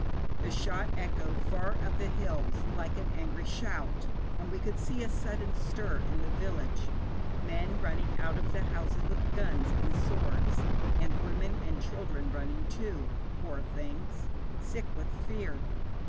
The shot echoed far up the hills like an angry shout, and we could see a sudden stir in the village men running out of the houses with guns and swords, and women and children running, too, poor things! sick with fear.